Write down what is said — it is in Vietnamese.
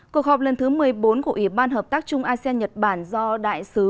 cuộc họp lần thứ một mươi bốn của ủy ban hợp tác chung asean nhật bản do đại sứ